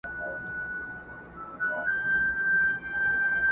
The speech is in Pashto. وزرماتي زاڼي ګرځي آشیانه له کومه راوړو.!